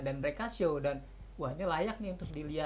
dan mereka show dan wah ini layak nih untuk dilihat